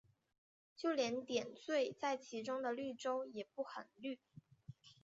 就连点缀在其中的绿洲也不很绿。